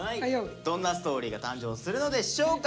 どんなストーリーが誕生するのでしょうか。